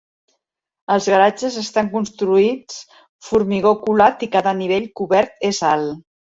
Els garatges estan construïts formigó colat i cada nivell cobert és alt.